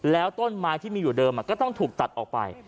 แล้วต้นไม้ที่มีอยู่เดิมก็ต้องถูกตัดออกไป